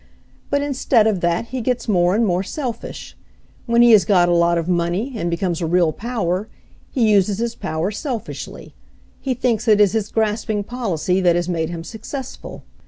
"But instead of that, he gets more ahd more selfish. When he has got a lot of money, and be comes a real power, he uses his power selfishly. He thinks it is his grasping policy that has made him successful.